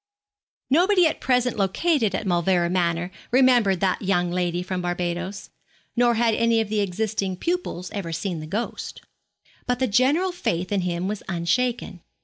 Nobody at present located at Mauleverer Manor remembered that young lady from Barbados, nor had any of the existing pupils ever seen the ghost. But the general faith in him was unshaken.